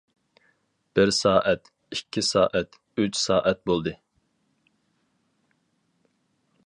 بىر سائەت، ئىككى سائەت، ئۈچ سائەت بولدى.